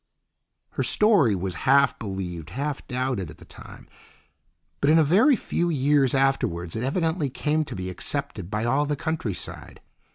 Her story was half believed, half doubted at the time, but in a very few years afterwards it evidently came to be accepted by all the countryside.